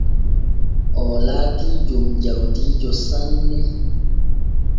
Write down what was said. Oo laatii jom jawdi sanne.